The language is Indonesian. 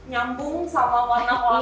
ya kuliah kuliah memang unik